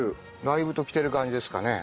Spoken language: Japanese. だいぶときてる感じですかね？